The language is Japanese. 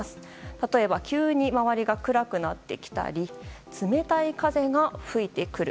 例えば、急に周りが暗くなってきたり冷たい風が吹いてくる。